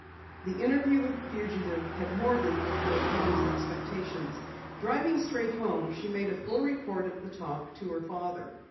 The interview with the fugitive had more than fulfilled Penny's expectations. Driving straight home, she made a full report of the talk to her father.